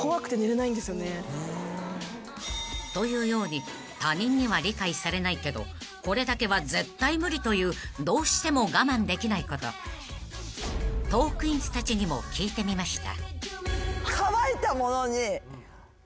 ［というように他人には理解されないけどこれだけは絶対無理というどうしても我慢できないことトークィーンズたちにも聞いてみました］